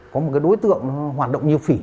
có một đối tượng hoạt động như phỉ